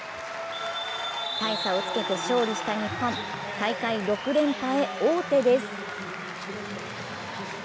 大差をつけて勝利した日本大会６連覇へ王手です。